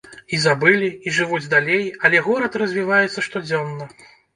І забылі, і жывуць далей, але горад развіваецца штодзённа.